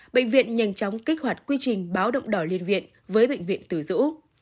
bệnh viện nhanh chóng kích hoạt quy trình báo động đỏ liên viện với bệnh viện tử dũ